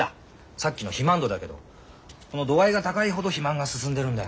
さっきの肥満度だけどこの度合いが高いほど肥満が進んでるんだよ。